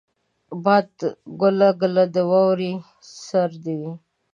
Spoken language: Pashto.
باد کله کله د واورې سره وي